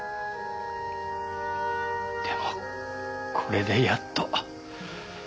でもこれでやっと。